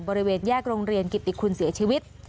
บริเวณแยกโรงเรียนกิติคุณเสียชีวิต